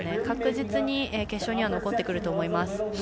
確実に決勝には残ってくると思います。